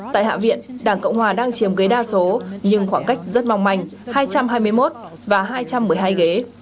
tại hạ viện đảng cộng hòa đang chiếm ghế đa số nhưng khoảng cách rất mong manh hai trăm hai mươi một và hai trăm một mươi hai ghế